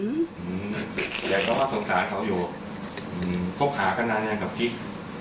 เด็กก็ว่าสนสารเขาอยู่พบหากันแล้วเนี่ยกับกิ๊ก